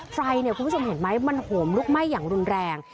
ไฟเนี่ยคุณผู้ชมเห็นไหมมันโหมลุกไหม้อย่างรุนแรง